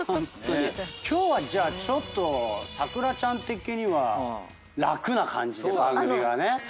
今日はじゃあちょっとサクラちゃん的には楽な感じで番組がね。そうなんです。